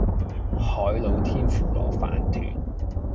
海老天婦羅飯糰